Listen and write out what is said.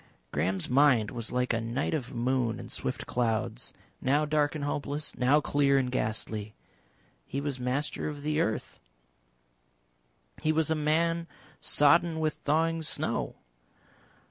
Graham's mind was like a night of moon and swift clouds, now dark and hopeless, now clear and ghastly. He was Master of the Earth, he was a man sodden with thawing snow.